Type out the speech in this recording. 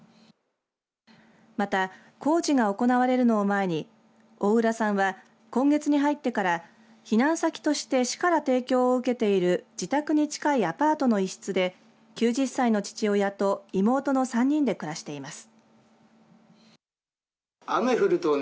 また工事が行われるのを前に大浦さんは今月に入ってから避難先として市から提供を受けている自宅に近いアパートの一室で９０歳の父親と妹の３人で暮らしています。